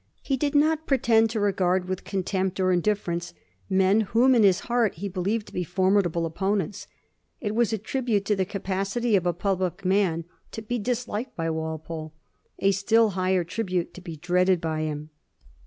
He did not pro tend to regard with contempt or indifference men whom in his heart he believed to be formidable opponents. It was a tribute to the capacity of a public man to be dis liked by Walpole ; a still higher tribute to be dreaded by him.